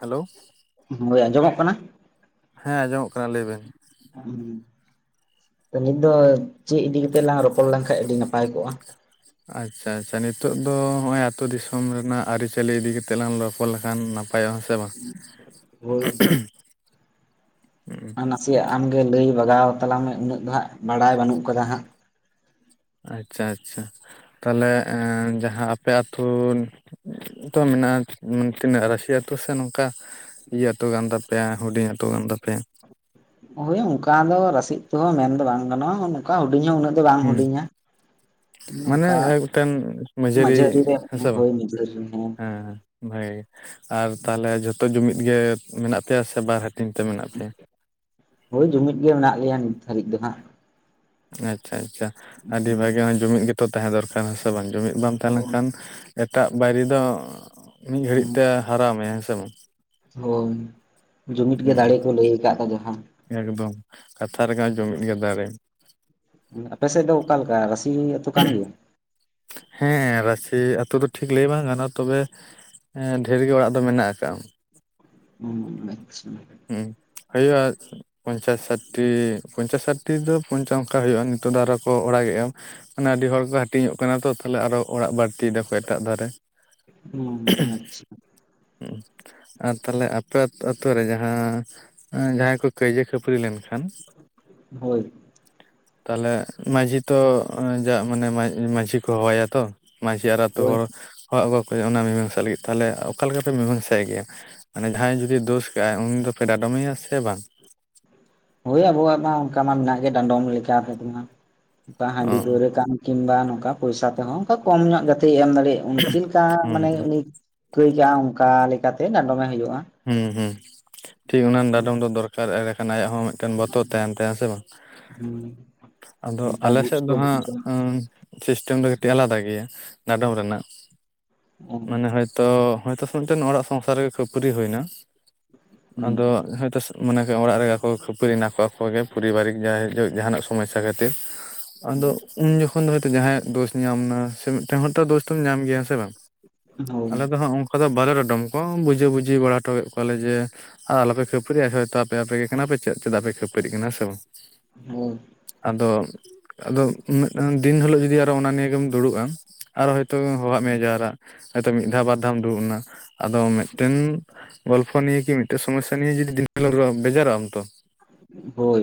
Hello ᱦᱳᱭ ᱟᱸᱡᱚᱢᱚᱜ ᱠᱟᱱᱟ? ᱦᱮᱸ ᱟᱸᱡᱚᱢᱚᱜ ᱠᱟᱱᱟ ᱞᱟᱹᱭ ᱵᱮᱱ ᱾ [inaudible] ᱚᱸ ᱱᱤᱛ ᱫᱚ ᱪᱮᱫ ᱤᱫᱤ ᱠᱟᱛᱮᱜ ᱞᱟᱝ ᱨᱚᱯᱚᱲ ᱞᱮᱱᱠᱷᱟᱡ ᱟᱹᱰᱤ ᱱᱟᱯᱟᱭ ᱠᱚᱜ-ᱟ? ᱟᱪᱪᱷᱟ ᱟᱪᱪᱷᱟ ᱱᱤᱛᱚᱜ ᱫᱚ ᱱᱚᱜ-ᱚᱭ ᱟᱛᱳ ᱫᱤᱥᱚᱢ ᱨᱮᱱᱟᱜ ᱟᱹᱨᱤᱪᱟᱹᱞᱤ ᱤᱫᱤ ᱠᱟᱛᱮᱜ ᱞᱟᱝ ᱞᱚᱯᱚᱲ ᱞᱮᱠᱷᱟᱱ ᱱᱟ ᱯᱟᱭ ᱥᱮ ᱵᱟᱝ ᱦᱳᱭ ᱱᱟᱥᱮᱭᱟᱜ ᱟᱢᱜᱮ ᱞᱟᱹᱭ ᱵᱟᱜᱟᱣ ᱛᱟᱞᱟᱝ ᱢᱮ ᱩᱱᱟᱹᱜ ᱫᱚ ᱦᱟᱸᱜ ᱵᱟᱲᱟᱭ ᱵᱟᱹᱱᱩᱜ ᱟᱠᱟᱫᱟ ᱦᱟᱸᱜ ᱟᱪᱪᱷᱟ ᱟᱪᱪᱷᱟ ᱛᱟᱦᱚᱞᱮ ᱡᱟᱦᱟᱸ ᱟᱯᱮ ᱟᱛᱳ ᱛᱚ ᱢᱮᱱᱟᱜ-ᱟ ᱛᱤᱱᱟᱹᱜ ᱨᱟᱥᱤᱭᱟ ᱟᱛᱩ ᱥᱮ ᱱᱚᱝᱠᱟ ᱤᱭᱟᱹ ᱟᱹᱛᱩ ᱠᱟᱱ ᱛᱟᱯᱮᱭᱟ ᱦᱩᱰᱤᱧ ᱟᱹᱛᱩ ᱠᱟᱱ ᱛᱟᱯᱮᱭᱟ ᱦᱳᱭ ᱚᱱᱠᱟ ᱫᱚ ᱨᱟᱹᱥᱤ ᱟᱛᱳ ᱦᱚᱸ ᱢᱮᱱᱫᱚ ᱵᱟᱝ ᱜᱟᱱᱚᱜ-ᱟ ᱚᱝᱠᱟ ᱦᱩᱰᱤᱧ ᱦᱚᱸ ᱩᱱᱟᱹᱜ ᱫᱚ ᱵᱟᱝ ᱦᱩᱸ ᱦᱩᱰᱤᱧᱟ ᱢᱟᱱᱮ ᱱᱚᱝᱠᱟ ᱮᱴᱮᱱ ᱢᱟᱺᱡᱷᱟᱹᱨᱤ ᱢᱟᱹᱡᱷᱟᱹᱨᱤ ᱨᱮ ᱦᱮᱸᱥᱮ ᱵᱟᱝ ᱦᱳᱭ ᱢᱟᱹᱡᱷᱟᱹᱨᱤ ᱨᱮ ᱦᱮᱸ ᱦᱮᱸ ᱵᱷᱟᱜᱮ ᱜᱮ ᱟᱨ ᱛᱟᱦᱚᱞᱮ ᱡᱷᱚᱛᱚ ᱡᱩᱢᱤᱫ ᱜᱮ ᱢᱮᱱᱟᱜ ᱯᱮᱭᱟ ᱥᱮ ᱵᱟᱨ ᱦᱟᱹᱴᱤᱧ ᱛᱮ ᱢᱮᱱᱟᱜ ᱯᱮᱭᱟ? ᱦᱳᱭ ᱡᱩᱢᱤᱫ ᱜᱮ ᱢᱮᱱᱟᱜ ᱞᱮᱭᱟ ᱱᱤᱛ ᱫᱷᱟᱹᱨᱤᱡ ᱫᱚ ᱦᱟᱸᱜ ᱟᱪᱪᱷᱟ ᱟᱪᱪᱷᱟ ᱟᱹᱰᱤ ᱵᱷᱟᱹᱜᱤ ᱡᱩᱢᱤᱫ ᱜᱮᱛᱚ ᱛᱟᱦᱮᱸ ᱫᱚᱨᱠᱟᱨ ᱦᱮᱸ ᱥᱮ ᱵᱟᱝ ᱡᱩᱢᱤᱫ ᱵᱟᱢ ᱛᱟᱦᱮᱸ ᱦᱳᱭ ᱞᱮᱱᱠᱷᱟᱱ ᱮᱴᱟᱜ ᱵᱟᱹᱭᱨᱤ ᱫᱚ ᱢᱤᱫ ᱜᱷᱟᱹᱲᱤᱡ ᱛᱮ ᱦᱟᱨᱟᱣ ᱢᱮᱭᱟ ᱦᱮᱸ ᱥᱮ ᱵᱟᱝ? ᱦᱳᱭ ᱡᱩᱢᱤᱫ ᱜᱮ ᱦᱩᱸ ᱫᱟᱲᱮ ᱠᱚ ᱞᱟᱹᱭ ᱟᱠᱟᱫ ᱫᱚ ᱡᱟᱦᱟᱸ ᱮᱠᱫᱚᱢ ᱠᱟᱛᱷᱟ ᱨᱮᱜᱮ ᱡᱩᱢᱤᱫ ᱜᱮ ᱫᱟᱨᱮ ᱟᱯᱮ ᱥᱮᱫ ᱫᱚ ᱚᱠᱟᱞᱮᱠᱟ ᱨᱟᱥᱤ ᱟᱹᱛᱩ ᱠᱟᱱ ᱜᱮᱭᱟ ᱦᱮᱸ ᱨᱟᱹᱥᱤ ᱟᱛᱳ ᱫᱚ ᱴᱷᱤᱠ ᱞᱟᱹᱭ ᱵᱟᱝ ᱜᱟᱱᱚᱜ-ᱟ ᱛᱚᱵᱮ ᱰᱷᱮᱨ ᱜᱮ ᱚᱲᱟᱜ ᱫᱚ ᱢᱮᱱᱟᱜ ᱟᱠᱟᱫ-ᱟ ᱚᱸ ᱟᱪᱪᱷᱟ ᱦᱩᱸ ᱦᱳᱭᱳᱜ-ᱟ ᱯᱚᱧᱪᱟᱥ ᱥᱟᱴᱴᱤ ᱯᱚᱧᱪᱟᱥ ᱥᱟᱴᱴᱤ ᱫᱚ ᱯᱚᱧᱪᱟᱥ ᱚᱱᱠᱟ ᱦᱩᱭᱩᱜᱼᱟ ᱱᱤᱛᱚᱜ ᱫᱚ ᱟᱨᱚ ᱠᱚ ᱚᱲᱟᱜᱮᱜᱼᱟ ᱢᱟᱱᱮ ᱟᱹᱰᱤ ᱦᱚᱲ ᱠᱚ ᱦᱟᱹᱴᱤᱧᱚᱜ ᱠᱟᱱᱟ ᱛᱚ ᱛᱟᱦᱞᱮ ᱟᱨᱚ ᱚᱲᱟᱜ ᱵᱟᱹᱲᱛᱤ ᱛᱤᱭ ᱫᱟᱠᱚ ᱮᱴᱟᱜ ᱫᱷᱟᱨᱮ ᱦᱩᱸ ᱟᱪᱪᱷᱟ ᱟᱨ ᱛᱟᱦᱞᱮ ᱟᱯᱮ ᱟᱛᱳ ᱨᱮ ᱡᱟᱦᱟᱸ ᱮᱸ ᱡᱟᱦᱟᱸᱭ ᱠᱚ ᱠᱟᱹᱭᱡᱟᱹ ᱠᱷᱟᱹᱯᱟᱹᱨᱤ ᱞᱮᱱᱠᱷᱟᱱ ᱦᱳᱭ ᱛᱟᱦᱚᱞᱮ ᱢᱟᱺᱡᱷᱤ ᱛᱚ ᱡᱟ ᱢᱟᱱᱮ ᱢᱟᱺᱡᱷᱤ ᱠᱚ ᱦᱚᱦᱚᱣᱟᱭᱟ ᱛᱚ ᱢᱟᱺᱡᱷᱤ ᱟᱨ ᱟᱹᱛᱩ ᱦᱳᱭ ᱦᱚᱲ ᱦᱚᱦᱚ ᱟᱹᱜᱚ ᱠᱚ ᱦᱳᱭᱳᱜ-ᱟ ᱚᱱᱟ ᱢᱤᱢᱟᱝᱥᱟ ᱞᱟᱹᱜᱤᱫ ᱛᱟᱦᱚᱞᱮ ᱚᱠᱟ ᱞᱮᱠᱟ ᱯᱮ ᱢᱤᱢᱟᱝᱥᱟᱭ ᱜᱮᱭᱟ ᱢᱟᱱᱮ ᱡᱟᱦᱟᱸᱭ ᱡᱩᱫᱤ ᱫᱳᱥ ᱠᱟᱜᱼᱟᱭ ᱩᱱᱤ ᱫᱚᱯᱮ ᱰᱟᱸᱰᱚᱢᱮᱭᱟ ᱥᱮ ᱵᱟᱝ? ᱦᱳᱭ ᱟᱵᱚᱣᱟᱜ ᱢᱟ ᱚᱱᱠᱟ ᱢᱟ ᱢᱮᱱᱟᱜ ᱜᱮ ᱰᱟᱸᱰᱚᱢ ᱞᱮᱠᱟ [inaudible] ᱚᱱᱠᱟ ᱚ ᱦᱟᱺᱰᱤ ᱯᱟᱹᱣᱨᱟᱹ ᱠᱟᱱ ᱠᱤᱢᱵᱟ ᱱᱚᱝᱠᱟ ᱯᱚᱭᱥᱟ ᱛᱮᱦᱚᱸ ᱚᱱᱠᱟ ᱠᱚᱢ ᱧᱚᱜ ᱡᱟᱛᱮᱭ ᱮᱢ ᱫᱟᱲᱮᱭᱟᱜ ᱪᱮᱫ ᱞᱮᱠᱟ ᱦᱩᱸ ᱢᱟᱱᱮ ᱩᱱᱤ ᱠᱟᱹᱭ ᱠᱟᱜᱼᱟ ᱚᱱᱠᱟ ᱞᱮᱠᱟᱛᱮ ᱰᱸᱟᱰᱚᱢᱮ ᱦᱩᱭᱩᱜᱼᱟ ᱦᱩᱸ ᱦᱩᱸ ᱴᱷᱤᱠ ᱚᱱᱟ ᱰᱟᱸᱰᱚᱢ ᱫᱚ ᱫᱚᱨᱠᱟᱨ ᱮᱰᱮᱠᱷᱟᱱ ᱟᱭᱟᱜ ᱦᱚᱸ ᱢᱮ ᱴᱮᱱ ᱵᱚᱛᱚᱨ ᱛᱟᱦᱮᱱ ᱛᱟᱭᱟ ᱦᱮᱸᱥᱮ ᱵᱟᱝ, ᱦᱩᱸ ᱟᱫᱚ ᱵᱟᱠᱷᱟᱡ ᱟᱞᱮ ᱵᱩᱡᱽ ᱥᱮᱫ ᱠᱚ ᱦᱟᱸᱜ ᱵᱩᱡᱟ ᱩᱸ ᱥᱤᱥᱴᱮᱢ ᱫᱚ ᱠᱟᱹᱴᱤᱡ ᱟᱞᱟᱫᱟ ᱜᱮᱭᱟ ᱰᱟᱸᱰᱚᱢ ᱨᱮᱱᱟᱜ ᱢᱟᱱᱮ ᱦᱚᱭᱛ ᱛᱚ ᱦᱚᱭᱛᱳ ᱢᱤᱫᱴᱮᱱ ᱚᱲᱟᱜ ᱥᱚᱝᱥᱟᱨ ᱨᱮᱜᱮ ᱠᱷᱟᱹᱯᱟᱹᱨᱤ ᱦᱩᱭᱱᱟ ᱦᱩᱸ ᱟᱫᱚ ᱦᱚᱭᱛ ᱢᱟᱱᱮ ᱚᱲᱟᱜ ᱨᱮᱜᱮ ᱠᱚ ᱠᱷᱟᱹᱯᱟᱹᱨᱤ ᱮᱱᱟ ᱠᱚ ᱟᱠᱚᱜᱮ ᱯᱚᱨᱤᱵᱟᱨᱤᱠ ᱡᱟᱸᱦᱟᱭ ᱡᱟᱦᱟᱱᱟᱜ ᱥᱚᱢᱚᱥᱥᱟ ᱠᱷᱟᱹᱛᱤᱨ ᱟᱫᱚ ᱩᱱ ᱡᱚᱠᱷᱚᱱ ᱫᱚ ᱦᱚᱭᱛᱚ ᱡᱟᱦᱟᱸᱭᱟᱜ ᱫᱳᱥ ᱧᱟᱢ ᱱᱟ ᱥᱮ ᱢᱤᱫᱴᱟᱝ ᱦᱚᱲ ᱛᱚ ᱫᱳᱥ ᱫᱚᱢ ᱧᱟᱢ ᱜᱮᱭᱟ ᱥᱮ ᱵᱟᱝ? ᱦᱳᱭ ᱟᱞᱮ ᱫᱚ ᱦᱟᱸᱜ ᱚᱝᱠᱟ ᱫᱚ ᱵᱟᱞᱮ ᱰᱟᱸᱰᱚᱢ ᱠᱚᱣᱟ, ᱵᱩᱡᱷᱟᱹ ᱵᱩᱡᱷᱤ ᱵᱟᱲᱟ ᱦᱚᱴᱚ ᱠᱮᱜ ᱠᱚᱣᱟᱞᱮ ᱡᱮ ᱟᱨ ᱟᱞᱚᱯᱮ ᱠᱷᱟᱹᱯᱟᱹᱨᱤᱜᱼᱟ ᱦᱚᱭᱛᱚ ᱟᱯ ᱟᱯᱮ ᱟᱯᱮ ᱜᱮ ᱠᱟᱱᱟᱯᱮ ᱪᱮᱫ ᱪᱮᱫᱟᱜ ᱯᱮ ᱠᱷᱟᱹᱯᱟᱹᱨᱤᱜ ᱠᱟᱱᱟ ᱥᱮ ᱵᱟᱝ ᱦᱳᱭ ᱟᱫᱚ ᱟᱫᱚ ᱢᱤᱫᱴᱟᱝ ᱫᱤᱱ ᱦᱤᱞᱳᱜ ᱡᱩᱫᱤ ᱟᱨᱚ ᱚᱱᱟ ᱱᱤᱭᱟᱹᱜᱮᱢ ᱫᱩᱲᱩᱵᱼᱟ ᱟᱨᱚ ᱦᱚᱭᱛᱳ ᱦᱚᱦᱚᱣᱟᱜ ᱢᱮᱭᱟᱭ ᱡᱟᱣᱨᱟᱜ, ᱦᱚᱭᱛᱚ ᱢᱤᱫ ᱫᱷᱟᱣ ᱵᱟᱨ ᱫᱷᱟᱣᱮᱢ ᱫᱩᱲᱩᱵ ᱱᱟ ᱟᱫᱚ ᱢᱤᱫᱴᱮᱱ ᱜᱚᱞᱯᱷᱚ ᱱᱤᱭᱮ ᱠᱤ ᱢᱤᱫᱴᱮᱡ ᱥᱚᱢᱚᱥᱥᱟ ᱱᱤᱭᱮ ᱡᱩᱫᱤ ᱫᱤᱱ [inaudible] ᱵᱮᱡᱟᱨᱚᱜ ᱟᱢ ᱛᱚ᱾ ᱦᱳᱭ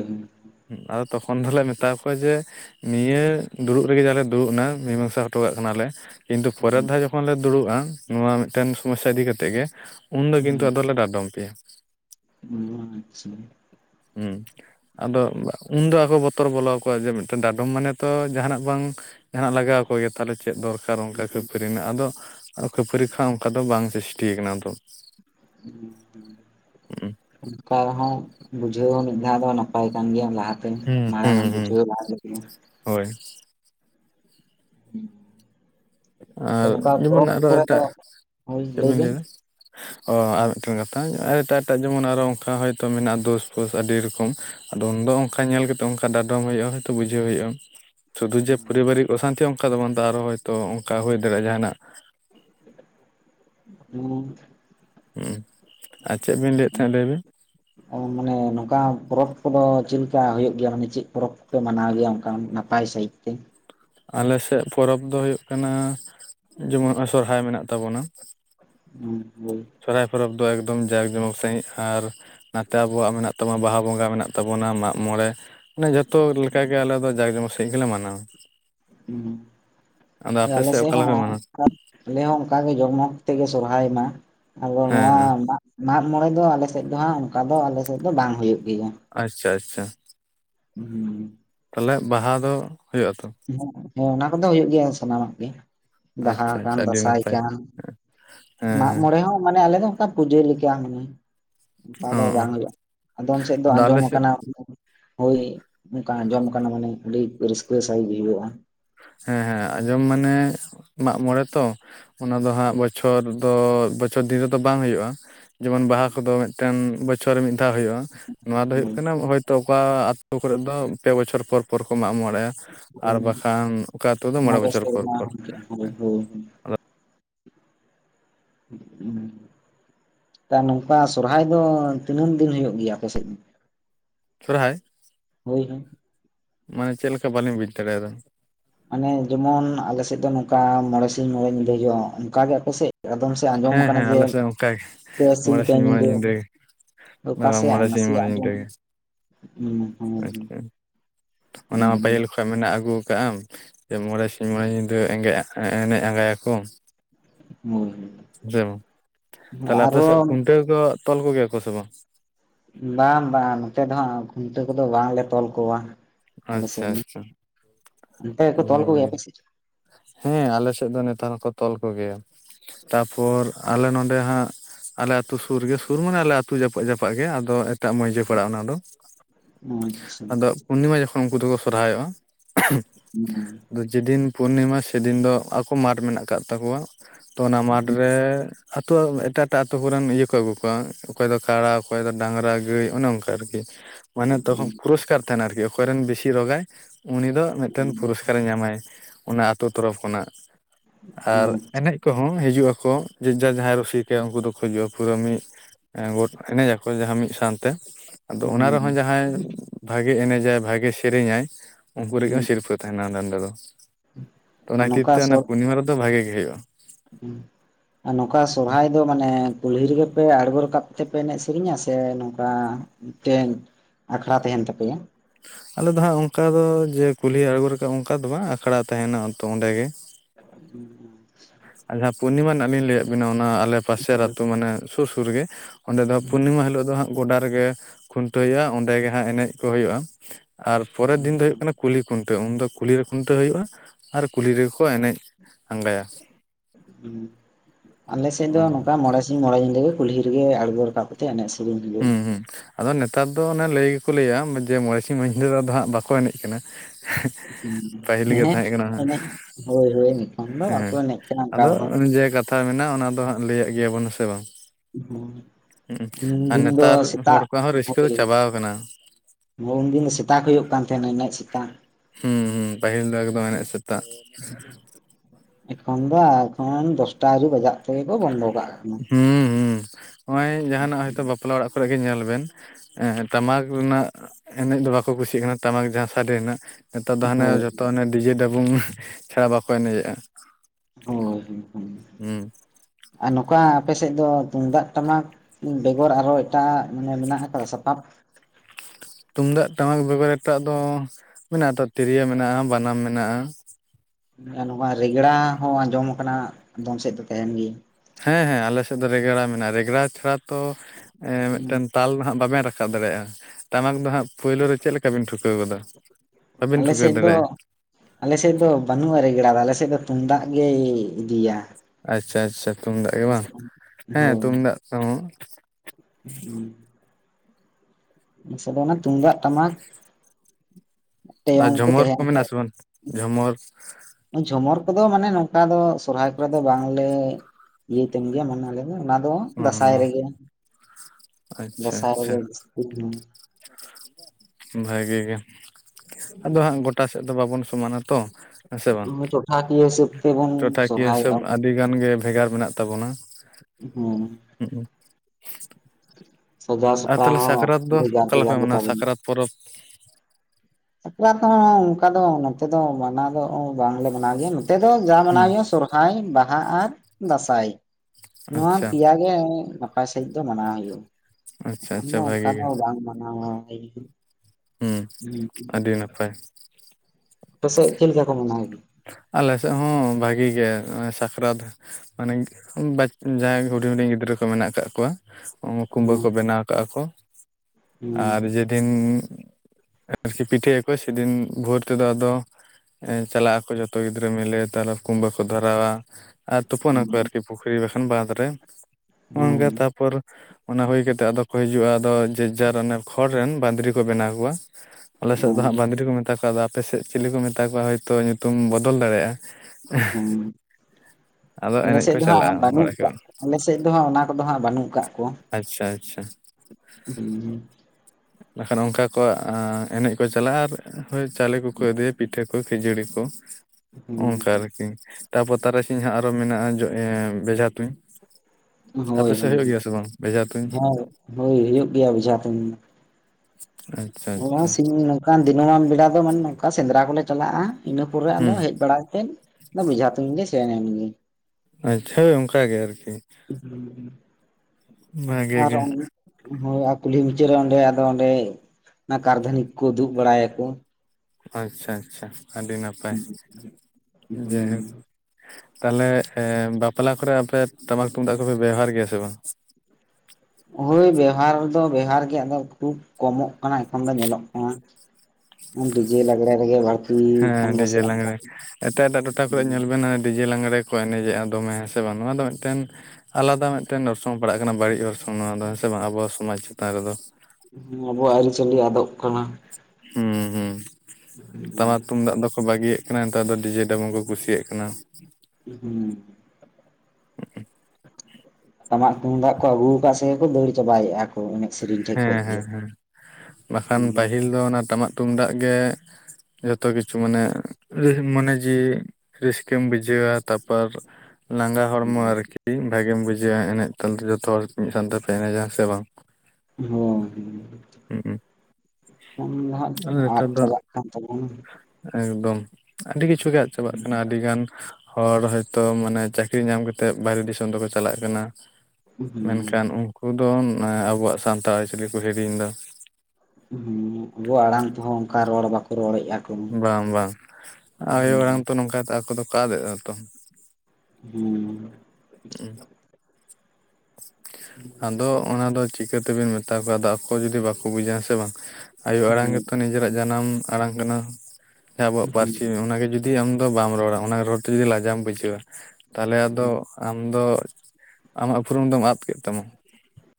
ᱟᱫᱚ ᱛᱚᱠᱷᱚᱱ ᱫᱚᱞᱮ ᱢᱮᱛᱟ ᱠᱚᱣᱟ ᱡᱮ ᱱᱤᱭᱟᱹ ᱫᱩᱲᱩᱵ ᱨᱤᱜᱤ ᱡᱟᱞᱮ ᱫᱩᱲᱩᱵ ᱱᱟ ᱢᱤᱢᱟᱹᱝᱥᱟ ᱦᱚᱴᱚ ᱠᱟᱜ ᱠᱟᱱᱟᱞᱮ ᱠᱤᱱᱛᱩ ᱯᱚᱨᱮᱨ ᱦᱩᱸ ᱫᱷᱟᱣ ᱡᱚᱠ ᱠᱷᱚᱱ ᱞᱮ ᱫᱩᱲᱩᱵᱼᱟ ᱱᱚᱣᱟ ᱢᱤᱫᱴᱮᱱ ᱥᱚᱢᱚᱥᱥᱟ ᱤᱫᱤ ᱠᱟᱛᱮᱜ ᱜᱮ ᱩᱱᱫᱚ ᱠᱤᱱᱛᱩ ᱦᱩᱸ ᱟᱫᱚᱞᱮ ᱰᱟᱸᱰᱚᱢ ᱯᱮᱭᱟ᱾ [inaudible] ᱟᱪᱪᱷᱟ᱾ ᱦᱩᱸ ᱟᱫᱚ ᱩᱱᱫᱚ ᱟᱠᱚ ᱵᱚᱛ ᱛᱚᱨ ᱵᱚᱞᱚᱣᱟᱠᱚᱣᱟ ᱡᱮ ᱢᱤᱫᱴᱟᱝ ᱰᱟᱸᱰᱚᱢ ᱢᱟᱱᱮ ᱛᱚ ᱡᱟᱦᱟᱱᱟᱜ ᱵᱟᱝ ᱡᱟᱦᱟᱱᱟᱜ ᱞᱟᱜᱟᱣ ᱠᱚᱜᱮᱭᱟ ᱛᱟᱦᱚᱞᱮ ᱪᱮᱫ ᱫᱚᱨᱠᱟᱨ ᱚᱝᱠᱟ ᱠᱷᱟᱹᱯᱟᱹ ᱨᱮᱱᱟᱜ ᱟᱫᱚ ᱠᱷᱟᱹᱯᱟᱹᱨᱤ ᱠᱚ ᱦᱚᱸ ᱚᱝᱠᱟ ᱫᱚ ᱵᱟᱝ ᱥᱨᱤᱥᱴᱤᱭᱟ ᱠᱟᱱᱟ ᱟᱫᱚ᱾ [unintelligible] ᱚᱝᱠᱟ ᱫᱚ ᱦᱟᱸᱜ ᱵᱩᱡᱷᱟᱹᱣ ᱦᱚᱸ ᱢᱤᱫ ᱫᱷᱟᱣ ᱫᱚ ᱱᱟᱯᱟᱭ ᱠᱟᱱ ᱜᱮᱭᱟ ᱞᱟᱦᱟᱛᱮ ᱦᱩᱸ ᱢᱟᱲᱟᱝ ᱦᱩᱸ ᱦᱩᱸ ᱵᱩᱡᱷᱟᱹᱣ ᱞᱟᱦᱟ ᱞᱮᱫ ᱢᱮᱭᱟ᱾ ᱦᱳᱭ᱾ [inaudible] ᱛᱚ ᱟᱨ ᱱᱚᱝᱠᱟ ᱡᱮᱢᱚᱱ ᱯᱚᱨᱚᱵᱽ ᱟᱨᱚ ᱠᱚᱨᱮ ᱫᱚ ᱮᱴᱟᱜ ᱦᱳᱭ ᱪᱮᱫ ᱞᱟᱹᱭ ᱵᱤᱱ ᱵᱮᱱ ᱞᱟᱹᱭᱫᱟ? ᱚ ᱟᱨ ᱢᱤᱫᱴᱮᱱ ᱠᱟᱛᱷᱟ ᱟᱨ ᱮᱴᱟᱜ ᱮᱴᱟᱜ ᱡᱮᱢᱚᱱ ᱟᱨᱚ ᱚᱝᱠᱟ ᱦᱚᱭᱛᱳ ᱢᱮᱱᱟᱜᱼᱟ ᱫᱳᱥ ᱯᱷᱳᱥ ᱟᱹᱰᱤ ᱨᱚᱠᱚᱢ᱾ ᱟᱫᱚ ᱩᱱᱫᱚ ᱚᱝᱠᱟ ᱧᱮᱞ ᱠᱟᱛᱮ ᱚᱝᱠᱟ ᱰᱟᱸᱰᱚᱢ ᱦᱩᱭᱩᱜᱼᱟ ᱦᱳᱭᱛᱳ ᱵᱩᱡᱷᱟᱹᱣ ᱦᱩᱭᱩᱜᱼᱟ᱾ ᱥᱩᱫᱷᱩ ᱡᱮ ᱯᱚᱨᱤᱵᱟᱨᱤᱠ ᱚᱥᱟᱱᱛᱤ ᱦᱚᱸ ᱚᱝᱠᱟ ᱫᱚ ᱵᱟᱝ ᱛᱚ ᱟᱨᱚ ᱦᱚᱭᱛᱳ ᱚᱝᱠᱟ ᱦᱩᱭ ᱫᱟᱲᱮᱜᱼᱟ ᱡᱟᱦᱟᱱᱟᱜ [inaudible] ᱦᱩᱸ ᱟᱨ ᱪᱮᱫ ᱵᱤᱱ ᱞᱟᱹᱭᱮᱫ ᱛᱟᱦᱮᱸᱫ ᱞᱟᱹᱭ ᱵᱤᱱ? ᱚ ᱢᱟᱱᱮ ᱱᱚᱝᱠᱟ ᱯᱚᱨᱚᱵᱽ ᱠᱚᱫᱚ ᱪᱮᱞᱮᱠᱟ ᱦᱩᱭᱩᱜ ᱜᱮᱭᱟ ᱢᱟᱱᱮ ᱪᱮᱫ ᱯᱚᱨᱚᱵᱽ ᱠᱚᱯᱮ ᱢᱟᱱᱟᱣ ᱜᱮᱭᱟ ᱚᱝᱠᱟ ᱚᱱᱮᱚᱱᱟ ᱯᱟᱭ ᱥᱟᱸᱦᱤᱡ ᱛᱮ᱾ ᱟᱞᱮᱥᱮᱫ ᱯᱚᱨᱚᱵᱽ ᱫᱚ ᱦᱩᱭᱩᱜ ᱠᱟᱱᱟ ᱡᱮᱢᱚᱱ ᱚᱸᱭ ᱥᱚᱨᱦᱟᱭ ᱢᱮᱱᱟᱜ ᱛᱟᱵᱚᱱᱟ᱾ [inaudible] ᱥᱚᱨᱦᱟᱭ ᱯᱚᱨᱚᱵᱽ ᱫᱚ ᱮᱠᱫᱚᱢ ᱡᱟᱸᱠ ᱡᱚᱢᱚᱠ ᱥᱟᱺᱦᱤᱡ ᱟᱨ ᱱᱟᱛᱮ ᱟᱵᱚᱣᱟᱜ ᱢᱮᱱᱟᱜ ᱛᱟᱢᱟ ᱵᱟᱦᱟ ᱵᱚᱸᱜᱟ ᱢᱮᱱᱟᱜ ᱛᱟᱵᱚᱱᱟ ᱢᱟᱜ ᱢᱚᱬᱮ ᱢᱟᱱᱮ ᱡᱚᱛᱚ ᱞᱮᱠᱟᱜᱮ ᱟᱞᱮ ᱫᱚ ᱡᱟᱠ ᱡᱚᱢᱚᱠ ᱥᱟᱸᱦᱤᱡ ᱜᱮᱞᱮ ᱢᱟᱱᱟᱣᱟ᱾ ᱟᱫᱚ ᱦᱩᱸ, ᱟᱯᱮ ᱟᱞᱮ‌ ᱥᱮᱫ ᱥᱮᱜ ᱚᱠᱟ ᱦᱚᱸ ᱞᱮᱠᱟ ᱯᱮ ᱢᱟᱱᱟᱣᱟ [inaudible] ᱟᱞᱮ ᱦᱚᱸ ᱚᱝᱠᱟᱜ ᱜᱮ ᱡᱚᱢᱚᱠ ᱛᱮᱜᱮ ᱥᱚᱨᱦᱟᱭ ᱢᱟ ᱟᱫᱚ ᱦᱮᱸ ᱱᱚᱣᱟ ᱦᱮᱸ ᱢᱟᱜ ᱢᱟᱜ ᱢᱚᱬᱮ ᱫᱚ ᱟᱞᱮᱥᱮᱫ ᱫᱚ ᱦᱟᱸᱜ ᱚᱝᱠᱟ ᱫᱚ ᱟᱞᱮᱥᱮᱫ ᱫᱚ ᱵᱟᱝ ᱦᱩᱭᱩᱜ ᱜᱮᱭᱟ᱾ ᱟᱪᱪᱷᱟ ᱟᱪᱪᱷᱟ᱾ [inaudible] ᱛᱟᱞᱦᱮ ᱵᱟᱦᱟ ᱫᱚ ᱦᱩᱭᱩᱜ ᱟᱛᱚ? [inaudible] ᱚᱱᱟ ᱠᱚᱫᱚ ᱦᱩᱭᱳᱜ ᱜᱮᱭᱟ ᱥᱟᱱᱟᱢᱟᱜ ᱜᱮ ᱵᱟᱦᱟ ᱟᱪᱪᱷᱟ ᱟᱪᱪᱷᱟ ᱠᱟᱱ ᱟᱹᱰᱤ ᱫᱟᱸᱥᱟᱭ ᱱᱟᱯᱟᱭ ᱠᱟᱱ ᱦᱮᱸ ᱢᱟᱜ ᱦᱮᱸ ᱢᱚᱬᱮ ᱦᱚᱸ ᱢᱟᱱᱮ ᱟᱞᱮ ᱫᱚ ᱚᱝᱠᱟ ᱯᱩᱡᱟᱹ ᱞᱮᱠᱟ ᱢᱟᱱᱮ᱾ ᱚᱝᱠᱟ ᱫᱚ ᱚ ᱵᱟᱝ ᱦᱳᱭᱳᱜ-ᱟ ᱟᱫᱚᱢ ᱥᱮᱡ ᱫᱚ ᱟᱫᱚ ᱟᱸᱡᱚᱢ ᱟᱞᱮ ᱥᱮᱫ ᱠᱟᱱᱟ ᱦᱳᱭ ᱚᱝᱠᱟ ᱟᱸᱡᱚᱢ ᱠᱟᱱᱟ ᱢᱟᱱᱮ ᱟᱰᱤ ᱨᱟᱹᱥᱠᱟᱹ ᱥᱟᱦᱤᱡ ᱦᱩᱭᱩᱜ-ᱟ᱾ ᱦᱮᱸ ᱦᱮᱸ ᱟᱸᱡᱚᱢ ᱢᱟᱱᱮ ᱢᱟᱜ ᱢᱚᱬᱮ ᱛᱚ ᱚᱱᱟ ᱫᱚ ᱦᱟᱸᱜ ᱵᱚᱪᱷᱚᱨ ᱫᱚ ᱵᱚᱪ ᱪᱷᱚᱨ ᱫᱤᱱ ᱨᱮᱫᱚ ᱵᱟᱝ ᱦᱳᱭᱳᱜ-ᱟ ᱡᱮᱢᱚᱱ ᱵᱟᱦᱟ ᱠᱚᱫᱚ ᱢᱤᱫᱴᱮᱱ ᱵᱚᱪ ᱪᱷᱚᱨ ᱨᱮ ᱢᱤᱫ ᱫᱷᱟᱣ ᱦᱩᱭᱳᱜ-ᱟ ᱱᱚᱣᱟ ᱫᱚ ᱦᱩᱭᱳᱜ ᱦᱳᱭ ᱠᱟᱱᱟ ᱦᱚᱭᱛᱚ ᱚᱠᱟ ᱟᱛᱳ ᱠᱚᱨᱮᱫ ᱫᱚ ᱯᱮ ᱵᱚᱪᱷᱚᱨ ᱯᱚᱨ ᱯᱚᱨ ᱠᱚ ᱢᱟᱜ ᱢᱚᱬᱮᱜ-ᱟ ᱟᱨ ᱵᱟᱠᱷᱟᱱ ᱚᱠᱟ ᱟᱛᱳ ᱫᱚ ᱢᱚᱬᱮ ᱵᱚᱪᱷᱚᱨ ᱯᱚᱨ ᱯᱚᱨ᱾ [unintelligible] ᱛᱟ ᱱᱚᱝᱠᱟ ᱥᱚᱨᱦᱟᱭ ᱫᱚ ᱛᱤᱱᱟᱹᱢ ᱫᱤᱱ ᱦᱩᱭᱩᱜ ᱜᱮᱭᱟ, ᱟᱯᱮ ᱥᱮᱫ ᱫᱚ? ᱥᱚᱨᱦᱟᱭ? ᱦᱳᱭ ᱦᱳᱭ, ᱢᱟᱱᱮ ᱪᱮᱫ ᱞᱮᱠᱟ? ᱵᱟᱞᱤᱧ ᱵᱩᱡᱽ ᱫᱟᱲᱮᱭᱟᱫᱟ᱾ ᱢᱟᱱᱮ ᱡᱮᱢᱚᱱ ᱟᱞᱮ ᱥᱮᱫ ᱫᱚ, ᱱᱚᱝᱠᱟ ᱢᱚᱬᱮ ᱥᱤᱧ ᱢᱚᱬᱮ ᱧᱤᱫᱟᱹᱭ ᱦᱩᱭᱩᱜ-ᱟ, ᱚᱱᱠᱟ ᱜᱮ ᱟᱯᱮ ᱥᱮᱡ? ᱟᱫᱚᱢ ᱥᱮᱜ ᱦᱮᱸ ᱟᱸᱡᱚᱢᱟᱠᱟᱱᱟ ᱦᱮᱸ ᱡᱮ, ᱟᱞᱮ ᱥᱮᱫ ᱚᱱᱠᱟ ᱜᱮ ᱯᱮ ᱥᱤᱧ ᱢᱚᱬᱮ ᱯᱮ ᱢᱚᱬᱮ ᱧᱤᱫᱟᱹ ᱜᱮ ᱚᱠᱟ ᱥᱮᱭᱟᱜ ᱢᱚᱬᱮ ᱥᱤᱧ ᱱᱟᱥᱮᱭᱟᱜ ᱢᱚᱬᱮ ᱟᱸᱡᱚᱢ ᱧᱤᱫᱟᱹ ᱜᱮ ᱦᱩᱸ, ᱦᱮᱸ ᱦᱮᱸ, ᱦᱩᱸ, ᱠᱟᱜ ᱢᱮᱱᱟᱜ ᱟᱜᱩᱣᱟᱠᱟᱜ-ᱟᱢ, ᱡᱮ ᱢᱚᱬᱮ ᱥᱤᱧ ᱢᱚᱬᱮ ᱧᱤᱫᱟᱹ ᱮᱸᱜᱮᱜ ᱟᱜ ᱮᱱᱮᱡ ᱟᱸᱜᱟᱭᱟᱠᱚ᱾ ᱦᱳᱭ ᱦᱳᱭ, ᱦᱮᱸ ᱥᱮ ᱵᱟᱝ, ᱛᱟᱦᱞᱮ ᱟᱯᱮ ᱥᱮᱫ ᱠᱷᱩᱱᱴᱟᱹᱣ ᱠᱚ ᱛᱚᱞ ᱠᱚᱜᱮ ᱭᱟᱠᱚ ᱥᱮ ᱵᱟᱝ? ᱵᱟᱝ ᱵᱟᱝ, ᱱᱚᱛᱮ ᱫᱚᱦᱟᱸᱜ ᱠᱷᱩᱱᱴᱟᱹ ᱠᱚᱫᱚ ᱵᱟᱝᱞᱮ ᱛᱚᱞ ᱠᱚᱣᱟ᱾ ᱟᱞᱮ ᱥᱮᱫ ᱟᱪᱪᱷᱟ, ᱫᱚ ᱟᱪᱪᱷᱟ, ᱚᱱᱛᱮ ᱜᱮᱠᱚ ᱛᱚᱞ ᱵᱷᱟᱜᱤ ᱠᱚᱜᱮᱭᱟ ᱜᱮ, ᱟᱯᱮ ᱥᱮᱫ ᱦᱮᱸ ᱟᱞᱮ ᱥᱮᱫ ᱫᱚ ᱱᱮᱛᱟᱨ ᱦᱚᱸᱠᱚ ᱛᱚᱞ ᱠᱚᱜᱮᱭᱟ᱾ ᱛᱟᱯᱚᱨ ᱟᱞᱮ ᱱᱚᱸᱰᱮ ᱦᱟᱸᱜ ᱟᱞᱮ ᱟᱹᱛᱩ ᱥᱩᱨ ᱨᱮᱜᱮ, ᱥᱩᱨ ᱢᱟᱱᱮ ᱟᱞᱮ ᱟᱹᱛᱩ ᱡᱟᱯᱟᱜ ᱡᱟᱯᱟᱜ ᱜᱮ ᱟᱫᱚ ᱮᱴᱟᱜ ᱢᱟᱹᱭᱡᱟᱹ ᱯᱟᱲᱟᱜ-ᱟ ᱚᱱᱟ ᱫᱚ, ᱟᱪᱪᱷᱟ ᱟᱨ ᱟᱫᱚ ᱯᱩᱱᱱᱤᱢᱟ ᱡᱚᱠᱷᱚᱱ ᱩᱱᱠᱩ ᱫᱚᱠᱚ ᱥᱚᱨᱦᱟᱭᱚᱜ-ᱟ᱾ [unintelligible] ᱟᱫᱚ ᱡᱮᱫᱤᱱ ᱯᱩᱨᱱᱤᱢᱟ ᱥᱮᱫᱤᱱ ᱫᱚ ᱟᱠᱚ ᱢᱟᱴᱷ ᱢᱮᱱᱟᱜ ᱟᱠᱟᱫ ᱛᱟᱠᱚᱣᱟ, ᱛᱚ ᱚᱱᱟ ᱢᱟᱴᱷ ᱨᱮ ᱟᱛᱳ ᱮᱴᱟᱜ ᱮᱴᱟᱜ ᱟᱛᱳ ᱠᱚᱨᱮᱱ ᱤᱭᱟᱹ ᱠᱚ ᱟᱹᱜᱩ ᱠᱚᱣᱟ, ᱚᱠᱚᱭ ᱫᱚ ᱠᱟᱲᱟ ᱚᱠᱚᱭ ᱫᱚ ᱰᱟᱝᱨᱟ ᱜᱟᱹᱭ ᱚᱱᱮ ᱚᱱᱠᱟ ᱟᱨᱠᱤ, ᱢᱟᱱᱮ ᱛᱚᱠᱷᱚᱱ ᱯᱩᱨᱩᱥᱠᱟᱨ ᱛᱟᱦᱮᱱᱟ ᱟᱨᱠᱤ, ᱚᱠᱚᱭ ᱨᱮᱱ ᱵᱮᱥᱤ ᱨᱚᱜᱟᱭ ᱩᱱᱤ ᱫᱚ ᱢᱤᱫᱴᱮᱱ ᱥᱮᱨᱮᱧ ᱧᱟᱢᱟᱭ ᱚᱱᱟ ᱟᱛᱳ ᱛᱚᱨᱚᱯᱷ ᱠᱷᱚᱱᱟᱜ, ᱟᱨ ᱮᱱᱮᱡ ᱠᱚᱦᱚᱸ ᱦᱤᱡᱩᱜ ᱟᱠᱚ ᱡᱮᱡᱽ ᱡᱟᱨ ᱡᱟᱦᱟᱸᱭ ᱨᱩᱥᱤᱠᱟ, ᱩᱱᱠᱩ ᱫᱚᱠᱚ ᱦᱤᱡᱩᱜ-ᱟ ᱯᱩᱨᱟᱹ ᱢᱤᱫ ᱜᱚᱴ ᱮᱱᱮᱡ ᱟᱠᱚ ᱡᱟᱦᱟᱸ ᱢᱤᱫ ᱥᱟᱶᱛᱮ ᱟᱫᱚ ᱚᱱᱟ ᱨᱮᱦᱚᱸ ᱡᱟᱦᱟᱸᱭ ᱵᱷᱟᱜᱮ ᱮᱱᱮᱡᱟᱭ ᱵᱷᱟᱜᱮ ᱥᱮᱨᱤᱧᱟᱭ, ᱩᱱᱠᱩ ᱞᱟᱹᱜᱤᱫ ᱦᱚᱸ ᱥᱤᱨᱯᱟᱹ᱾ ᱛᱟᱦᱮᱱᱟ ᱚᱱᱰᱮ ᱱᱚᱸᱰᱮ ᱫᱚ, ᱛᱚ ᱚᱱᱟ ᱱᱚᱝᱠᱟ ᱠᱤᱹᱛᱟᱨ ᱚᱱᱟ ᱯᱩᱨᱱᱤᱢᱟ ᱨᱮᱫᱚ ᱵᱷᱟᱜᱮ ᱜᱮ ᱦᱩᱭᱳᱜ-ᱟ᱾ ᱦᱩᱸ, ᱟᱨ ᱱᱚᱝᱠᱟ ᱥᱚᱨᱦᱟᱭ ᱫᱚ ᱢᱟᱱᱮ ᱠᱩᱞᱦᱤ ᱨᱮᱜᱮ ᱯᱮ ᱟᱬᱜᱚ ᱨᱟᱠᱟᱵ ᱛᱮᱯᱮ, ᱮᱱᱮᱡ ᱥᱤᱨᱤᱧᱟ ᱥᱮ ᱱᱚᱝᱠᱟ ᱢᱤᱫᱴᱮᱱ, ᱟᱠᱷᱲᱟ ᱛᱮᱦᱮᱱ ᱛᱟᱯᱮᱭᱟ? ᱟᱞᱮ ᱫᱚ ᱦᱟᱸᱜ ᱚᱱᱠᱟ ᱫᱚ ᱡᱮ ᱠᱩᱞᱦᱤ ᱟᱬᱜᱚ ᱨᱟᱠᱟᱵ ᱚᱱᱠᱟ ᱫᱚ ᱵᱟᱝ, ᱟᱠᱷᱲᱟ ᱛᱟᱸᱦᱮᱱᱟ ᱛᱚ ᱚᱸᱰᱮ ᱜᱮ᱾ [unintelligible] ᱟᱨ ᱡᱟᱦᱟᱸ ᱯᱩᱨᱱᱤᱢᱟ ᱨᱮᱱᱟᱜ ᱞᱤᱧ ᱞᱟᱹᱭᱟᱜ ᱵᱤᱱᱟ ᱚᱱᱟ ᱟᱞᱮ ᱯᱟᱥᱮᱨ ᱟᱛᱳ, ᱢᱟᱱᱮ ᱥᱩᱨ ᱥᱩᱨ ᱨᱮᱜᱮ ᱚᱸᱰᱮ ᱫᱚ ᱯᱩᱨᱱᱤᱢᱟ ᱦᱤᱞᱳᱜ ᱫᱚ ᱦᱟᱸᱜ ᱜᱚᱰᱟ ᱨᱮᱜᱮ ᱠᱷᱩᱱᱴᱟᱹᱭ ᱦᱩᱭᱩᱜ-ᱟ, ᱚᱸᱰᱮ ᱜᱮ ᱦᱟᱸᱜ ᱮᱱᱮᱡ ᱠᱚ ᱦᱩᱭᱳᱜ-ᱟ᱾ ᱟᱨ ᱯᱚᱨᱮᱨ ᱫᱤᱱ ᱫᱚ ᱦᱳᱭᱳᱜ ᱠᱟᱱᱟ ᱠᱩᱞᱦᱤ ᱠᱷᱩᱱᱴᱟᱹᱣ, ᱩᱱ ᱫᱚ ᱠᱩᱞᱦᱤ ᱨᱮ ᱠᱷᱩᱱᱴᱟᱹᱣ ᱦᱳᱭᱳᱜ-ᱟ᱾ ᱟᱨ ᱠᱩᱞᱦᱤ ᱨᱮᱜᱮ ᱠᱚ ᱮᱱᱮᱡ ᱟᱝᱜᱟᱭᱟ᱾ ᱟᱞᱮ ᱥᱮᱡ ᱫᱚ ᱱᱚᱝᱠᱟ ᱢᱚᱬᱮ ᱢᱚᱬᱮ ᱧᱤᱫᱟᱹ ᱠᱩᱞᱦᱤ ᱨᱮᱜᱮ ᱟᱬᱜᱳ ᱨᱟᱠᱟᱵ ᱠᱟᱛᱮᱜ ᱮᱱᱮᱡ ᱥᱤᱨᱤᱧ ᱦᱩᱭᱳᱜ-ᱟ᱾ ᱦᱩᱸ ᱦᱩᱸ ᱟᱫᱚ ᱱᱮᱛᱟᱨ ᱫᱚ ᱚᱱᱮ ᱞᱟᱹᱭ ᱜᱮᱠᱚ ᱞᱟᱹᱭᱟ ᱡᱮ, ᱢᱚᱬᱮ ᱥᱤᱧ ᱢᱟᱹᱧᱫᱷᱟᱹ ᱫᱚ ᱟᱫᱚ ᱦᱟᱸᱜ ᱵᱟᱠᱚ ᱮᱱᱮᱡ ᱠᱟᱱᱟ᱾ ᱯᱟᱹᱦᱤᱞ ᱦᱩᱸ ᱜᱮ ᱮᱦᱮᱸ ᱛᱟᱦᱮᱸ ᱠᱟᱱᱟ ᱮᱱᱮᱡ, ᱦᱳᱭ ᱦᱳᱭ ᱱᱤᱛᱚᱝ ᱫᱚ ᱵᱟᱠᱚ ᱮᱱᱮᱡ ᱠᱟᱱᱟ ᱚᱠᱟ ᱨᱮᱦᱚᱸ᱾ ᱠᱟ ᱢᱮᱱᱟᱜᱼᱟ ᱚᱱᱟ ᱫᱚ ᱦᱟᱸᱜ ᱞᱟᱹᱭᱟᱜ ᱜᱮᱭᱟ ᱵᱚᱱ ᱥᱮ ᱵᱟᱝ? ᱩᱱ ᱟᱨ ᱫᱤᱱ ᱫᱚ ᱱᱮᱛᱟᱨ ᱦᱚᱲ ᱥᱮᱛᱟᱜ ᱠᱚᱣᱟᱜ ᱦᱚᱸ ᱨᱟᱹᱥᱠᱟᱹ ᱫᱚ [unintelligible] ᱪᱟᱵᱟᱣ ᱠᱟᱱᱟ ᱩᱱ ᱫᱤᱱ ᱫᱚ ᱥᱮᱛᱟ ᱦᱩᱭᱩᱜ ᱠᱟᱱ ᱛᱟᱦᱮᱱᱟ ᱮᱱᱮᱡ ᱥᱮᱛᱟ᱾ ᱦᱩᱸ ᱦᱩᱸ, ᱯᱟᱹᱦᱤᱞ ᱫᱚ ᱮᱠᱫᱚᱢ ᱮᱱᱮᱡ ᱥᱮᱛᱟᱜ᱾ ᱮᱠᱷᱚᱱ ᱫᱚ ᱟᱨ ᱠᱷᱚᱢ ᱫᱚᱥᱴᱟᱜ ᱟᱹᱨᱤ ᱵᱟᱡᱟᱜ ᱛᱮᱜᱮ ᱠᱚ ᱵᱚᱱᱫᱚ ᱠᱟᱜ ᱠᱟᱱᱟ᱾ ᱦᱩᱸ ᱦᱩᱸ ᱱᱚᱜᱼᱚᱸᱭ ᱡᱟᱦᱟᱱᱟᱜ ᱦᱳᱭ ᱛᱚ ᱵᱟᱯᱞᱟ ᱚᱲᱟᱜ ᱠᱚᱨᱮ ᱜᱮ ᱧᱮᱞ ᱵᱮᱱ ᱴᱟᱢᱟᱠ ᱨᱮᱱᱟᱜ ᱮᱱᱮᱡ ᱫᱚ ᱵᱟᱠᱚ ᱠᱩᱥᱤᱜ ᱠᱟᱱᱟ ᱴᱟᱢᱟᱠ ᱡᱟᱦᱟᱸ ᱥᱟᱰᱮ ᱨᱮᱱᱟᱜ ᱱᱮᱛᱟᱨ ᱫᱚ ᱦᱟᱱᱮ ᱦᱳᱭ ᱡᱷᱚᱛᱚ ᱦᱟᱱᱮ ᱰᱤ ᱡᱮ ᱰᱟᱹᱵᱩᱝ ᱪᱷᱟᱲᱟ ᱵᱟᱠᱚ ᱮᱱᱮᱡ ᱮᱫᱼᱟ᱾ ᱦᱳᱭ ᱦᱳᱭ ᱦᱩᱸ ᱟᱨ ᱱᱚᱝᱠᱟ ᱟᱯᱮ ᱥᱮᱫ ᱫᱚ ᱛᱩᱢᱫᱟᱜ, ᱴᱟᱢᱟᱠ ᱵᱮᱜᱚᱨ ᱟᱨᱦᱚ ᱮᱴᱟᱜᱼᱟᱜ ᱢᱟᱱᱮ ᱢᱮᱱᱟᱜ ᱟᱠᱟᱫᱟ ᱥᱟᱯᱟᱵᱽ? ᱛᱩᱢᱫᱟᱜ, ᱴᱟᱢᱟᱠ ᱵᱮᱜᱚᱨ ᱮᱴᱟᱜ ᱫᱚ ᱢᱮᱱᱟᱜᱼᱟ ᱛᱚ ᱛᱤᱨᱭᱚ ᱢᱮᱱᱟᱜᱼᱟ, ᱵᱟᱱᱟᱢ ᱢᱮᱱᱟᱜᱼᱟ᱾ ᱱᱚᱣᱟ ᱨᱮᱜᱽᱲᱟ ᱦᱚᱸ ᱟᱸᱡᱚᱢ ᱟᱠᱟᱱᱟ ᱫᱚᱢ ᱥᱮᱫ ᱫᱚ ᱛᱟᱦᱮᱱ ᱜᱮ᱾ ᱦᱮᱸ ᱦᱮᱸ ᱟᱞᱮ ᱥᱮᱫ ᱫᱚ ᱨᱮᱜᱽᱲᱟ ᱢᱮᱱᱟᱜᱼᱟ ᱨᱮᱜᱽᱲᱟ ᱪᱷᱟᱲᱟ ᱛᱚ ᱮᱸ ᱢᱤᱫᱴᱮᱱ ᱛᱟᱞ ᱫᱚ ᱦᱟᱸᱜ ᱵᱟᱵᱮᱱ ᱨᱟᱠᱟᱵ ᱫᱟᱲᱮᱜᱼᱟ᱾ ᱴᱟᱢᱟᱠ ᱫᱚ ᱦᱟᱸᱜ ᱯᱩᱭᱞᱩ ᱨᱮ ᱪᱮᱫ ᱞᱮᱠᱟᱵᱤᱱ ᱴᱷᱩᱠᱟᱹᱣ ᱜᱚᱫᱟ ᱵᱟᱹᱵᱤᱱ ᱟᱞᱮ ᱴᱷᱩᱠᱟᱹᱣ ᱥᱮᱫ ᱫᱚ ᱫᱟᱲᱮᱜᱼᱟ᱾ ᱟᱞᱮ ᱥᱮᱫ ᱫᱚ ᱵᱟᱹᱱᱩᱜᱼᱟ ᱨᱮᱜᱽᱲᱟ ᱫᱟ ᱟᱞᱮ ᱥᱮᱫ ᱫᱚ ᱛᱩᱢᱫᱟᱜ ᱜᱮ ᱜᱮᱭᱟ᱾ ᱟᱪᱪᱷᱟ ᱟᱪᱪᱷᱟ ᱛᱩᱢᱫᱟᱜ ᱜᱮ ᱵᱟᱝ ᱦᱮᱸ ᱛᱩᱢᱫᱟᱜ ᱛᱮᱦᱚᱸ ᱦᱩᱸ ᱥᱮ ᱛᱩᱢᱫᱟᱜ ᱴᱟᱢᱟᱠ ᱟᱨ ᱴᱮᱭᱚᱝ ᱡᱷᱚᱢᱚᱨ ᱠᱚ ᱛᱟᱦᱮᱱ ᱠᱷᱟᱡ ᱢᱮᱱᱟᱜᱼᱟ ᱥᱮ ᱵᱟᱝ ᱡᱷᱚᱢᱚᱨ? ᱡᱷᱚᱢᱚᱨ ᱠᱚᱫᱚ ᱢᱟᱱᱮ ᱱᱚᱝᱠᱟ ᱫᱚ ᱥᱚᱨᱦᱟᱭ ᱠᱚᱨᱮ ᱫᱚ ᱵᱟᱝᱞᱮ ᱤᱭᱟᱹᱭ ᱛᱩᱢ ᱜᱮᱭᱟ ᱢᱟᱱᱮ ᱞᱮ ᱚᱱᱟ ᱫᱚ ᱚ ᱫᱟᱸᱥᱟᱭ ᱨᱮᱜᱮ ᱫᱟᱸᱥᱟᱭ ᱨᱮᱜᱮ ᱡᱟᱹᱥᱛᱤ ᱫᱚ ᱦᱟᱸᱜ ᱵᱷᱟᱜᱤ ᱜᱮ᱾ ᱟᱫᱚ ᱦᱟᱸᱜ ᱜᱚᱴᱟ ᱥᱮᱫ ᱫᱚ ᱵᱟᱵᱚᱱ ᱥᱚᱢᱟᱱᱟ ᱛᱚ᱾ ᱦᱮᱸ ᱥᱮ ᱵᱟᱝ ᱴᱚᱴᱷᱟᱠᱤᱭᱟᱹ ᱦᱤᱥᱟᱹᱵ ᱛᱮᱵᱚᱱ ᱴᱚᱴᱷᱟᱠᱤᱭᱟᱹ ᱦᱤᱥᱟᱹᱵᱽ ᱥᱚᱨᱦᱟᱭᱚᱜᱼᱟ ᱵᱚᱱ ᱟᱹᱰᱤ ᱜᱟᱱ ᱜᱮ ᱵᱷᱮᱜᱟᱨ ᱢᱮᱱᱟᱜ ᱛᱟᱵᱚᱱᱟ᱾ [unintelligible] [unintelligible] ᱥᱟᱡᱟᱣ ᱟᱨ ᱥᱟᱯᱲᱟᱣ ᱛᱟᱦᱚᱞᱮ ᱦᱚᱸ ᱥᱟᱠᱨᱟᱛ ᱫᱚ ᱵᱷᱮᱜᱟᱨ ᱚᱠᱟ ᱵᱷᱮᱜᱟᱨ ᱞᱮᱠᱟ ᱜᱮᱛᱟ ᱢᱟᱱᱟᱜᱼᱟ ᱵᱚᱱᱟ ᱥᱟᱠᱨᱟᱛ ᱯᱚᱨᱚᱵᱽ᱾ ᱥᱟᱠᱨᱟᱛ ᱦᱚᱸ ᱚᱱᱠᱟ ᱫᱚ ᱱᱚᱛᱮ ᱫᱚ ᱢᱟᱱᱟᱣ ᱫᱚ ᱵᱟᱝᱞᱮ ᱢᱟᱱᱟᱣ ᱜᱮᱭᱟ ᱱᱚᱛᱮ ᱫᱚ ᱡᱟᱦᱟᱸ ᱢᱟᱱᱟᱣ ᱦᱩᱸ ᱜᱮᱭᱟ ᱥᱚᱨ ᱦᱟᱭ ᱵᱟᱦᱟ ᱟᱨ ᱫᱟᱸᱥᱟᱭ ᱱᱚᱣᱟ ᱟᱪᱪᱷᱟ ᱯᱮᱭᱟ ᱜᱮ ᱱᱟᱯᱟᱭ ᱥᱟᱹᱦᱤᱡ ᱫᱚ ᱢᱟᱱᱟᱣ ᱦᱩᱭᱩᱜᱼᱟ ᱟᱪᱪᱷᱟ ᱮᱠᱷᱟᱱ ᱟᱪᱪᱷᱟ ᱫᱚ ᱚᱱᱠᱟ ᱵᱷᱟᱜᱮ ᱫᱚ ᱜᱮ ᱵᱟᱝ ᱢᱟᱱᱟᱣ ᱦᱩᱭᱩᱜ ᱦᱩᱸ ᱟᱹᱰᱤ ᱱᱟᱯᱟᱭ᱾ ᱯᱮ ᱥᱮᱫ ᱪᱮᱫ ᱞᱮᱠᱟ ᱠᱚ ᱢᱟᱱᱟᱭ ᱜᱮ ᱟᱞᱮ ᱥᱮᱫ ᱦᱚᱸ ᱵᱷᱟᱜᱤ ᱜᱮ ᱥᱟᱠᱨᱟᱛ ᱢᱟᱱᱮ ᱵᱟᱠ ᱡᱟᱦᱟᱸᱭ ᱦᱩᱰᱤᱧ ᱦᱩᱰᱤᱧ ᱜᱤᱫᱽᱨᱟᱹ ᱠᱚ ᱢᱮᱱᱟᱜ ᱠᱟᱜ ᱠᱚᱣᱟ ᱦᱮᱸ ᱠᱩᱢᱵᱟᱹ ᱠᱚ ᱵᱮᱱᱟᱣ ᱠᱟᱜᱼᱟ ᱠᱚ᱾ ᱦᱮᱸ ᱟᱨ ᱡᱮ ᱫᱤᱱ ᱟᱨᱠᱤ ᱯᱤᱴᱷᱟᱹᱭᱟᱠᱚ ᱥᱮᱫᱤᱱ ᱵᱷᱚᱨ ᱛᱮᱫᱚ ᱟᱫᱚ ᱪᱟᱞᱟᱜ ᱡᱚᱛᱚ ᱜᱤᱫᱽᱨᱟᱹ ᱢᱤᱞᱮ ᱛᱟᱦᱚᱞᱮ ᱠᱩᱢᱵᱟᱹ ᱠᱚ ᱫᱷᱚᱨᱟᱣᱟ ᱟᱨ ᱟᱞᱮ ᱛᱩᱯᱟᱹᱱᱟᱠᱚ ᱟᱨᱠᱤ ᱯᱩᱠᱷᱨᱤ ᱵᱟᱠᱷᱟᱱ ᱵᱟᱫᱽ ᱨᱮ ᱱᱚᱜᱼᱚᱸᱭ ᱱᱚᱝᱠᱟ ᱛᱟᱯᱚᱨ᱾ ᱚᱱᱟ ᱦᱩᱭ ᱠᱟᱛᱮᱫ ᱟᱫᱚ ᱠᱚ ᱦᱤᱡᱩᱜᱼᱟ ᱟᱫᱚ ᱡᱮᱡᱟᱨᱟᱱ ᱠᱷᱚᱲ ᱨᱮᱱ ᱵᱟᱸᱫᱽᱨᱤ ᱠᱚ ᱵᱮᱱᱟᱣ ᱠᱚᱣᱟ᱾ ᱟᱞᱮ ᱥᱮᱫ ᱫᱚ ᱦᱟᱸᱜ ᱵᱟᱸᱫᱽᱨᱤ ᱠᱚ ᱢᱮᱛᱟ ᱠᱚᱣᱟ ᱟᱫᱚ ᱟᱯᱮ ᱥᱮᱫ ᱪᱤᱞᱤ ᱠᱚ ᱢᱮᱛᱟ ᱠᱚᱣᱟ ᱦᱳᱭ ᱛᱚ ᱧᱩᱛᱩᱢ ᱵᱚᱫᱚᱞ ᱫᱟᱲᱮᱭᱟᱜᱼᱟ᱾ ᱦᱩᱸ ᱟᱫᱚ ᱟᱞᱮ ᱮᱱᱮᱡ ᱥᱮᱫ ᱠᱚ ᱫᱚ ᱦᱟᱸᱜ ᱪᱟᱞᱟᱜᱼᱟ ᱵᱟᱹᱱᱩᱜ ᱚᱲᱟᱜ ᱠᱚ ᱟᱞᱮ ᱥᱮᱫ ᱫᱚ ᱦᱟᱸᱜ ᱚᱱᱟ ᱠᱚᱫᱚ ᱦᱟᱸᱜ ᱵᱟᱹᱱᱩᱜ ᱠᱟᱫ ᱠᱚᱣᱟ᱾ ᱟᱪᱪᱷᱟ ᱟᱪᱪᱷᱟ ᱦᱩᱸ ᱦᱩᱸ ᱵᱟᱠᱷᱟᱱ ᱚᱱᱠᱟ ᱠᱚ ᱮᱱᱮᱡ ᱠᱚ ᱪᱟᱞᱟᱜᱼᱟ ᱟᱨ ᱪᱟᱣᱞᱮ ᱠᱚᱠᱚ ᱤᱹᱫᱮᱭᱟ ᱯᱤᱴ ᱯᱤᱴᱷᱟᱹ ᱠᱚ ᱠᱷᱟᱹᱡᱟᱹᱲᱤ ᱠᱚ ᱚᱱᱠᱟ ᱟᱨᱠᱤ ᱛᱟᱯᱚᱨ ᱛᱟᱨᱟ ᱥᱤᱧ ᱦᱟᱸᱜ ᱟᱨᱚ ᱢᱮᱱᱟᱜ-ᱟ ᱡᱚ ᱵᱮᱡᱷᱟ ᱛᱩᱧ᱾ ᱦᱳᱭ ᱟᱯᱮ ᱥᱮᱜᱽ ᱦᱩᱭᱩᱜ ᱦᱳᱭ ᱜᱮᱭᱟ ᱥᱮ ᱵᱟᱝ ᱵᱷᱮᱡᱟ ᱛᱩᱧ? ᱦᱳᱭ ᱦᱩᱭᱩᱜ ᱜᱮᱭᱟ ᱵᱮᱡᱷᱟ ᱛᱩᱧ ᱫᱚ᱾ ᱟᱪᱪᱷᱟ ᱦᱚᱸ ᱟᱪᱪᱷᱟ ᱥᱤᱧ ᱱᱚᱝᱠᱟᱱ ᱫᱤᱱᱟᱹᱢᱟᱱ ᱵᱮᱲᱟ ᱫᱚ ᱢᱟᱱᱮ ᱱᱚᱝᱠᱟ ᱥᱮᱸᱫᱽᱨᱟ ᱠᱚᱞᱮ ᱪᱟᱞᱟᱜ-ᱟ, ᱤᱱᱟᱹ ᱯᱚᱨᱮ ᱟᱫᱚ ᱦᱩᱸ ᱦᱮᱡ ᱵᱟᱲᱟ ᱠᱟᱛᱮᱫ ᱱᱟ ᱵᱮᱡᱷᱟ ᱛᱩᱧ ᱞᱮ ᱥᱮᱱ ᱮᱱ ᱜᱮ᱾ ᱟᱪᱪᱷᱟ ᱦᱳᱭ ᱚᱝᱠᱟ ᱜᱮ ᱟᱨᱠᱤ, ᱦᱩᱸ ᱵᱷᱟᱜᱮ ᱜᱮ ᱟᱨᱚᱱᱤ ᱦᱳᱭ ᱟ ᱠᱩᱞᱦᱤ ᱢᱩᱪᱟᱹᱜ ᱨᱮ ᱚᱸᱰᱮ ᱟᱫᱚ ᱚᱸᱰᱮ ᱚᱱᱟ ᱠᱟᱨᱫᱷᱟᱹᱱᱤ ᱠᱚ ᱩᱫᱩᱜ ᱵᱟᱲᱟ ᱭᱟᱠᱚ᱾ ᱟᱪᱪᱷᱟ ᱟᱪᱪᱷᱟ ᱟᱹᱰᱤ ᱱᱟᱯᱟᱭ ᱡᱟᱭᱦᱩᱠ, ᱛᱟᱦᱞᱮ ᱵᱟᱯᱞᱟ ᱠᱚᱨᱮᱜ ᱟᱯᱮ ᱴᱟᱢᱟᱠ ᱛᱩᱢᱫᱟᱜ ᱠᱚᱯᱮ ᱵᱮᱣᱦᱟᱨ ᱜᱮᱭᱟ ᱥᱮ ᱵᱟᱝ? ᱦᱳᱭ ᱵᱮᱣᱦᱟᱨ ᱫᱚ ᱵᱮᱦᱟᱨ ᱜᱮ ᱟᱫᱚ ᱠᱷᱩᱵ ᱠᱚᱢᱚᱜ ᱠᱟᱱᱟ ᱮᱠᱷᱚᱱ ᱫᱚ ᱧᱮᱞᱚᱜ ᱠᱟᱱᱟ, ᱰᱤᱡᱮ ᱞᱟᱸᱜᱬᱮ ᱨᱮᱜᱮ ᱵᱷᱟ ᱦᱮᱸ ᱰᱤᱡᱮ ᱞᱟᱸᱜᱽᱬᱮ ᱮᱴᱟᱜ ᱮᱴᱟᱜ ᱴᱚᱴᱷᱟ ᱠᱚᱨᱮᱜ ᱧᱮᱞ ᱵᱮᱱ ᱱᱚᱜ-ᱚᱭ ᱰᱤᱡᱮ ᱞᱟᱸᱜᱽᱬᱮ ᱠᱚ ᱮᱱᱮᱡᱮᱜ-ᱟ ᱫᱚᱢᱮ ᱦᱮᱸᱥᱮ ᱵᱟᱝ ᱱᱚᱣᱟ ᱫᱚ ᱢᱤᱫᱴᱮᱱ ᱟᱞᱟᱫᱟ ᱢᱤᱫᱴᱮᱱ ᱚᱨᱥᱚᱝ ᱯᱟᱲᱟᱜ ᱠᱟᱱᱟ ᱵᱟᱹᱲᱤᱡ ᱚᱨᱥᱚᱝ ᱱᱚᱣᱟ ᱫᱚ ᱦᱮᱸᱥᱮ ᱵᱟᱝ ᱟᱵᱚ ᱥᱚᱢᱟᱡᱽ ᱪᱮᱛᱟᱱ ᱨᱮᱫᱚ, ᱦᱚᱸ ᱟᱵᱚᱣᱟᱜ ᱟᱹᱨᱤᱪᱟᱹᱞᱤ ᱟᱫᱚᱜ ᱠᱟᱱᱟ᱾ ᱦᱩᱸ ᱦᱩᱸ ᱛᱟᱢᱟᱠ ᱛᱩᱢᱫᱟᱜ ᱫᱚᱠᱚ ᱵᱟᱹᱜᱤ ᱭᱮᱜ ᱠᱟᱱᱟ ᱱᱮᱛᱟᱨ ᱫᱚ ᱰᱤᱡᱮ ᱰᱟᱹᱵᱩᱝ ᱠᱚ ᱠᱩᱥᱤᱭᱟᱜ ᱠᱟᱱᱟ᱾ ᱦᱩᱸᱻ [unintelligible] ᱴᱟᱢᱟᱜ ᱛᱩᱢᱫᱟᱜ ᱠᱚ ᱟᱹᱜᱩ ᱠᱟᱜᱽ-ᱟ ᱥᱮ ᱠᱚ ᱫᱟᱹᱲ ᱪᱟᱵᱟᱭᱮᱜ-ᱟ ᱦᱮᱸ ᱦᱮᱸ ᱦᱮᱸ ᱵᱟᱠᱷᱟᱱ ᱯᱟᱹᱦᱤᱞ ᱫᱚ ᱚᱱᱟ ᱴᱟᱢᱟᱜ ᱛᱩᱢᱫᱟᱜ ᱜᱮ ᱡᱚᱛᱚ ᱠᱤᱪᱷᱩ ᱢᱟᱱᱮ ᱮᱦ ᱢᱚᱱᱮ ᱡᱤ ᱨᱮᱥᱠᱟᱹᱢ ᱵᱩᱡᱷᱟᱹᱣᱟ ᱛᱟᱯᱚᱨ ᱞᱟᱸᱜᱟ ᱦᱚᱲᱢᱚ ᱟᱨᱠᱤ ᱵᱷᱟᱹᱜᱮᱢ ᱵᱩᱡᱷᱟᱹᱣ-ᱟ ᱮᱱᱮᱡ ᱛᱟᱞ ᱛᱮ ᱡᱚᱛᱚ ᱦᱚᱲ ᱢᱤᱫ ᱥᱟᱶᱛᱮ ᱯᱮ ᱮᱱᱮᱡᱟ ᱥᱮ ᱵᱟᱝ? ᱦᱚᱭ ᱦᱩᱸ ᱦᱚᱸ ᱩᱱ ᱫᱚᱦᱟᱜ ᱟᱫᱚ ᱟᱫ ᱱᱮᱛᱟᱨ ᱫᱚ ᱪᱟᱵᱟᱜ ᱠᱟᱱ ᱛᱟᱵᱚᱱᱟ᱾ ᱮᱠᱫᱚᱢ ᱟᱹᱰᱤ ᱠᱤᱪᱷᱩ ᱜᱮ ᱟᱫ ᱪᱟᱵᱟᱜ ᱠᱟᱱᱟ ᱟᱹᱰᱤᱜᱟᱱ ᱦᱚᱲ ᱦᱚᱭᱛᱚ ᱢᱟᱱᱮ ᱪᱟᱹᱠᱨᱤ ᱧᱟᱢ ᱠᱟᱛᱮᱫ ᱵᱟᱭᱨᱮ ᱫᱤᱥᱚᱢ ᱛᱮᱠᱚ ᱪᱟᱞᱟᱜ ᱠᱟᱱᱟ᱾ ᱦᱩᱸ ᱢᱮᱱᱠᱷᱟᱱ ᱩᱝᱠᱩ ᱫᱚ ᱚᱱᱟ ᱟᱵᱚᱣᱟᱜ ᱥᱟᱱᱛᱟᱲ ᱟᱹᱨᱤ ᱪᱟᱹᱞᱤ ᱠᱚ ᱦᱤᱲᱤᱧ ᱫᱟ᱾ ᱦᱩᱸ ᱟᱵᱚᱣᱟᱜ ᱟᱲᱟᱝ ᱛᱮᱦᱚᱸ ᱚᱝᱠᱟ ᱨᱚᱲ ᱵᱟᱠᱚ ᱨᱚᱲ ᱮᱜ-ᱟ᱾ ᱵᱟᱝ ᱵᱟᱝ ᱟᱭᱳ ᱟᱲᱟᱝ ᱛᱚ ᱱᱚᱝᱠᱟ ᱛᱮ ᱟᱠᱚ ᱫᱚᱠᱚ ᱟᱫᱮᱜ-ᱟ ᱛᱚ᱾ ᱦᱩᱸᱻ ᱩᱸᱦ ᱟᱫᱚ ᱚᱱᱟ ᱫᱚ ᱪᱤᱠᱟᱹ ᱛᱤᱵᱤᱱ ᱢᱮᱛᱟ ᱠᱚᱣᱟ ᱟᱫᱚ ᱟᱠᱚ ᱡᱩᱫᱤ ᱵᱟᱠᱚ ᱵᱩᱡᱟ ᱥᱮ ᱵᱟᱝ, ᱟᱭᱳ ᱟᱲᱟᱝ ᱜᱮᱛᱚ ᱱᱤᱡᱮᱨᱟᱜ ᱡᱟᱱᱟᱢ ᱟᱲᱟᱝ ᱠᱟᱱᱟ ᱡᱟᱦᱟᱸ ᱟᱵᱚᱣᱟᱜ ᱦᱩᱸ ᱦᱩᱸ ᱯᱟᱹᱨᱥᱤ ᱚᱱᱟᱜᱮ ᱡᱩ ᱫᱤ ᱟᱢ ᱫᱚ ᱵᱟᱢ ᱨᱚᱲᱟ ᱚᱱᱟ ᱨᱚᱲ ᱛᱮ ᱡᱩᱫᱤ ᱞᱟᱡᱟᱣ ᱮᱢ ᱵᱩᱡᱷᱟᱹᱣᱟ ᱛᱟᱦᱞᱮ ᱟᱫᱚ ᱟᱢ ᱫᱚ ᱟᱢᱟᱜ ᱩᱯ ᱯᱩᱨᱩᱢ ᱫᱚᱢ ᱟᱫ ᱠᱮᱫ ᱛᱟᱢᱟ᱾